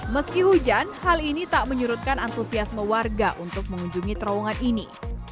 meski hujan hal ini tak menyurutkan antusiasme warga untuk mengunjungi terowongan ini